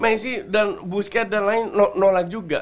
messi dan boosket dan lain nolak juga